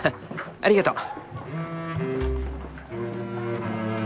ありがとう。